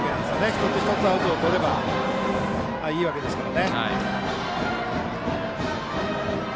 一つ一つアウトをとればいいわけですから。